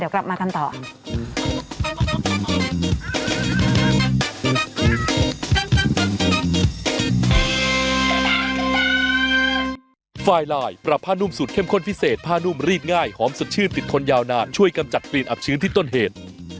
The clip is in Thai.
โอเคค่ะเอาพักสักครู่หนึ่งค่ะเดี๋ยวกลับมากันต่อ